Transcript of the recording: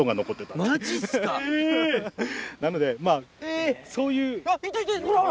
なのでそういう。